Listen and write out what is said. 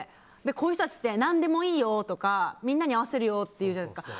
こういう人たちって何でもいいよとかみんなに合わせるよって言うじゃないですか。